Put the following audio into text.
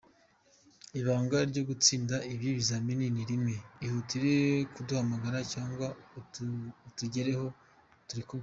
Ibanga ryo gutsinda ibi bizamini ni rimwe , ihutire kuduhamagara cyangwa utugeraho turikubwire.